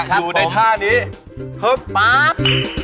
ครับผมดูในท่านี้ฮึบปั๊บ